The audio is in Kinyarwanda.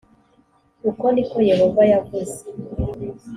uko ni ko yehova yavuze.